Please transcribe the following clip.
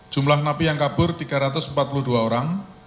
jumlah napi yang kabur tiga ratus empat puluh dua orang